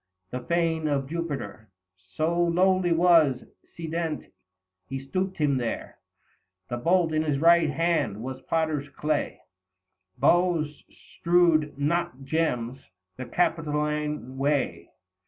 The Fane of Jupiter So lowly was, sedent he stooped him there ; The bolt in his right hand was potter's clay : Boughs strew'd, not gems, the Capitoline way.